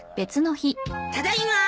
ただいま。